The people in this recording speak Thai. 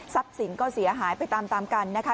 ทรัพย์สิ่งก็เสียหายไปตามกันนะคะ